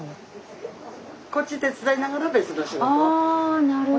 あなるほど。